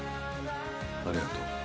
ありがとう。